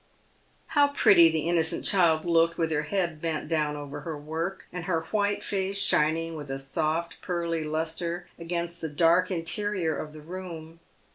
How pretty the innocent child looked with her head bent down over her work, and her white face shining with a soft, pearly lustre against the dark interior of the room.